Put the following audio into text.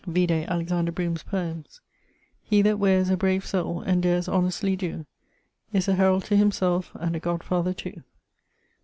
Vide Alexander Broome's poemes: He that weares a brave soule and dares honestly doe Is a herault to himselfe and a godfather too.